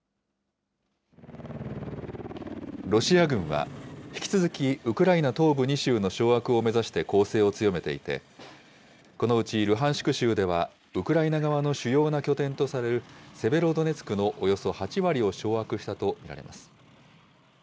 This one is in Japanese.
ロシア軍は引き続きウクライナ東部２州の掌握を目指して攻勢を強めていて、このうちルハンシク州では、ウクライナ側の主要な拠点とされる、セベロドネツクのおよそ８割を掌握したと見られます。